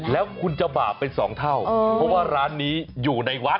แล้วคุณจะบาปเป็น๒เท่าเพราะว่าร้านนี้อยู่ในวัด